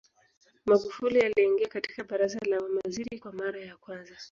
Magufuli aliingia katika Baraza la Mawaziri kwa mara ya kwanza